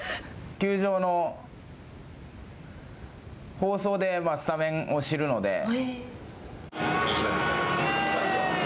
球場の放送でスタメンを知るので。